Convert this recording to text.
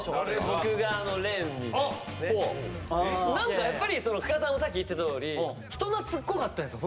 僕が廉に対してですね。何かやっぱり深澤もさっき言ってたとおり人懐っこかったんですよ